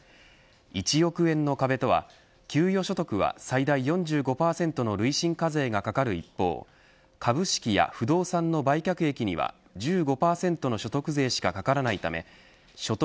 １億円の壁とは給与所得は、最大４５％の累進課税がかかる一方株式や不動産の売却益には１５％の所得税しかかからないため所得